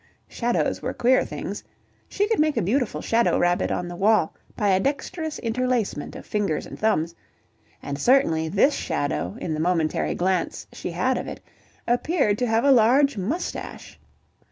Shadows were queer things she could make a beautiful shadow rabbit on the wall by a dexterous interlacement of fingers and thumbs and certainly this shadow, in the momentary glance she had of it, appeared to have a large moustache.